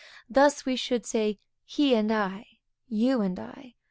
Thus we should say he and I, you and I.